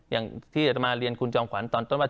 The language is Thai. อย่างที่จะมาเรียนคุณจอมขวัญตอนต้นว่า